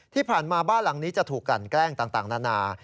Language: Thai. ที่ผ่านมาบ้านหลังนี้จะถูกกันแกล้งต่างนานา